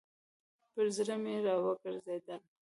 پر زړه مي راوګرځېدل .